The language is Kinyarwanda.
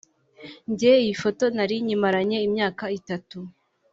njye iyi foto nari nyimaranye imyaka itatu